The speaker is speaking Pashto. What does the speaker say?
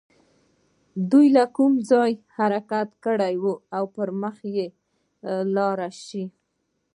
دوی له کوم ځايه حرکت وکړي او پر مخ لاړ شي.